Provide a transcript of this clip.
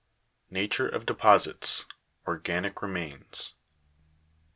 38. Nature of deposits organic remains.